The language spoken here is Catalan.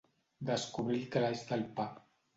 Descobrir el calaix del pa.